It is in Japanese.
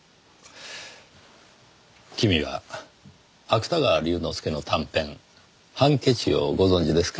君は芥川龍之介の短編『手巾』をご存じですか？